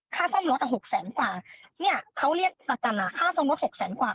ค่าซ่อมรถเอา๖แสนกว่าเขาเรียกประจันค่าซ่อมรถ๖แสนกว่า